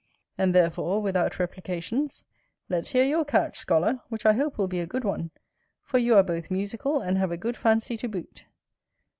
And therefore, without replications, let's hear your catch, scholar; which I hope will be a good one, for you are both musical and have a good fancy to boot.